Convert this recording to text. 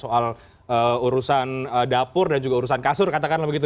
soal urusan dapur dan juga urusan kasur katakanlah begitu